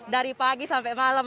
dari pagi sampai malam